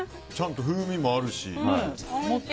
ちゃんと風味もあるし。